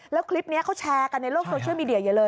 แล้วคลิปนี้เขาแชร์กันในโลกโซเชียลมีเดียเยอะเลย